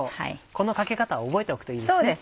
このかけ方覚えておくといいですね。